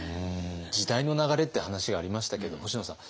時代の流れって話がありましたけど星野さん。